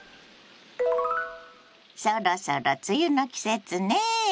そろそろ梅雨の季節ね。